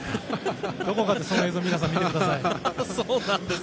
どこかでその映像皆さん、見てください。